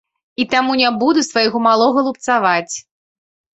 І таму не буду свайго малога лупцаваць.